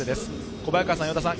小早川さん、与田さん